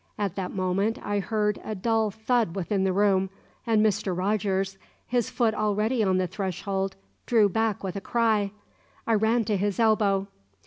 At that moment I heard a dull thud within the room, and Mr. Rogers, his foot already on the threshold, drew back with a cry. I ran to his elbow.